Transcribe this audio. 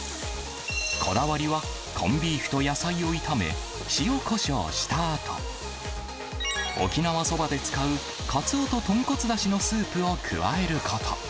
こだわりは、コンビーフと野菜を炒め、塩コショウしたあと、沖縄そばで使うかつおと豚骨だしのスープを加えること。